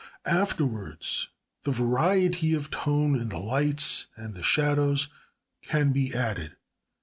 Afterwards the variety of tone in the lights and the shadows can be added.